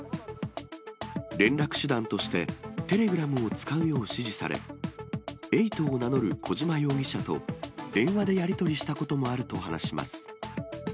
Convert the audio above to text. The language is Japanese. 連絡手段として、テレグラムを使うよう指示され、エイトを名乗る小島容疑者と、電話でやり取りしたこともあると話します。